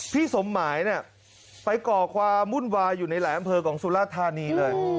พี่สมหมายเนี่ยไปก่อความวุ่นวายอยู่ในหลายอำเภอของสุราธานีเลย